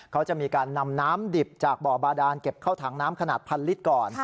เขาจะมีการนำน้ำดิบจากหมาดาลเตรียมในถังน้ำขนาด๑๐๐๐ลิตรก่อน